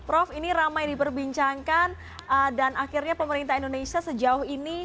prof ini ramai diperbincangkan dan akhirnya pemerintah indonesia sejauh ini